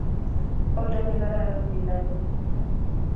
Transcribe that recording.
olda ne karan pendo noo